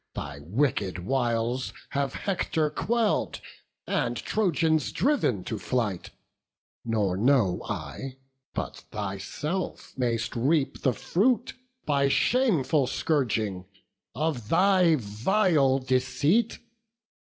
thy wicked wiles Have Hector quell'd, and Trojans driv'n to flight: Nor know I but thyself mayst reap the fruit, By shameful scourging, of thy vile deceit.